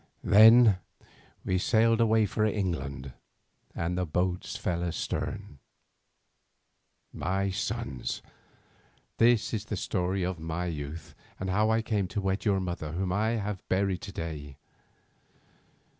"Then we sailed away for England, and the boats fell astern. "My sons, this is the story of my youth, and of how I came to wed your mother whom I have buried to day.